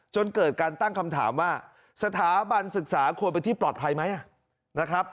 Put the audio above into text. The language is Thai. จนเกิดการตั้งคำถามว่าสถาบันศึกษาควรเป็นที่ปลอดภัยไหมนะครับ